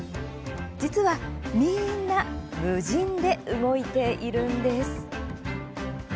実は、みんな無人で動いているんです。